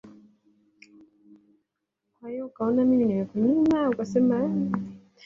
kuanzia karne ya kumi na tano hadi ya kumi na saba